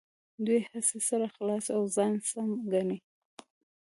دوی هسې سر خلاصوي او ځان سم ګڼي.